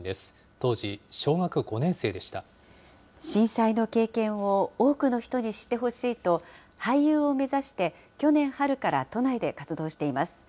当時、震災の経験を多くの人に知ってほしいと、俳優を目指して、去年春から都内で活動しています。